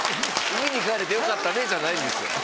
海に帰れてよかったねじゃないんですよ。